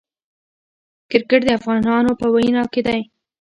کرکټ د افغانانو په وینو کې دی.